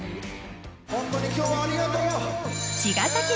ホントに今日はありがとう。